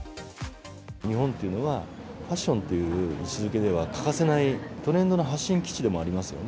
日本というのは、ファッションという位置づけでは欠かせない、トレンドの発信基地でもありますよね。